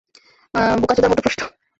বোকারচোদার মতো প্রশ্ন!